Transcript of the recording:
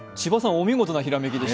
お見事なひらめきです。